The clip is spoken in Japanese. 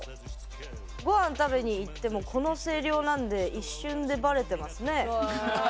ごはん食べに行ってもこの声量なんで一瞬でばれてますね。